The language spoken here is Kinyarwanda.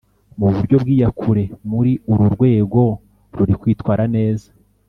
mu buryo bw iyakure Muri uru rwego ruri kwitwara neza